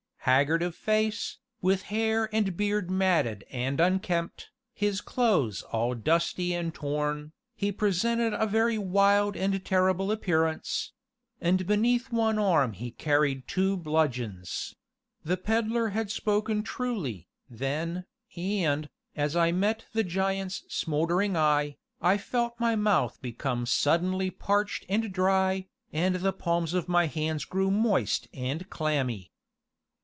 Haggard of face, with hair and beard matted and unkempt, his clothes all dusty and torn, he presented a very wild and terrible appearance; and beneath one arm he carried two bludgeons. The Pedler had spoken truly, then, and, as I met the giant's smouldering eye, I felt my mouth become suddenly parched and dry, and the palms of my hands grew moist and clammy.